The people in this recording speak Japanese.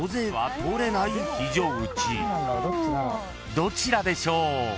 ［どちらでしょう？］